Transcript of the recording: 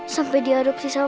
sampai diadopsi sama